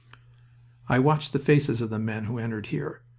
I watched the faces of the men who entered here.